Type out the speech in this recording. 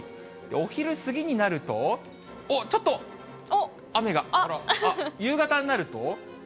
お昼過ぎになると、ちょっと、雨が、夕方になると。